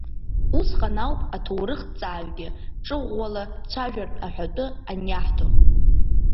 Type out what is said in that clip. Усҟан ауп аҭоурыхҭҵааҩгьы ҿы-ӷәӷәала дцәажәартә аҳәатәы аниаҳҭо.